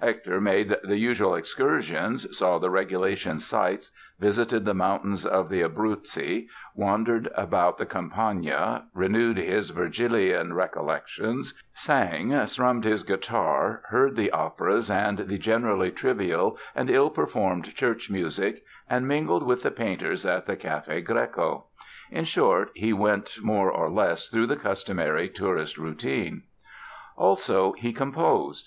Hector made the usual excursions, saw the regulation sights, visited the mountains of the Abruzzi, wandered about the Campagna, renewed his Virgilian recollections, sang, strummed his guitar, heard the operas and the generally trivial and ill performed church music and mingled with the painters at the Café Greco. In short, he went more or less through the customary tourist routine. Also, he composed.